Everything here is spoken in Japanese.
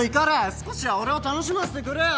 少しは俺を楽しませてくれよ。